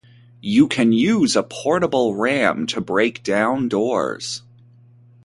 You can use a portable ram to break down doors.